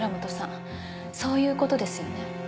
そういう事ですよね？